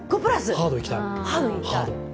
ハードいきたい。